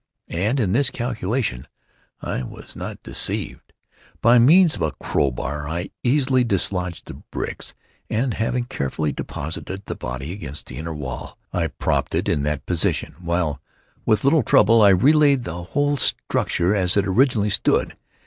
And in this calculation I was not deceived. By means of a crow bar I easily dislodged the bricks, and, having carefully deposited the body against the inner wall, I propped it in that position, while, with little trouble, I re laid the whole structure as it originally stood.